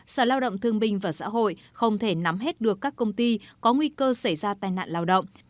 sở lao động thương binh và xã hội không thể nắm hết được các công ty có nguy cơ xảy ra tai nạn lao động